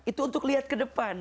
itu untuk lihat ke depan